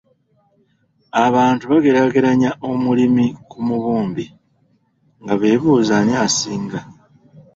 "Abantu bageraageranya omulimi ku mubumbi, nga beebuuza ani asinga."